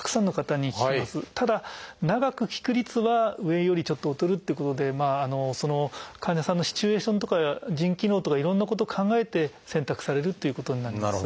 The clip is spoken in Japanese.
ただ長く効く率は上よりちょっと劣るっていうことで患者さんのシチュエーションとか腎機能とかいろんなこと考えて選択されるということになります。